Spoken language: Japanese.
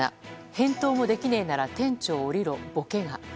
返答もできねーなら店長おりろ、ボケが。